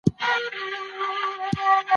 ډیپلوماټیکي اړیکي باید پر رښتینولۍ ولاړي وي.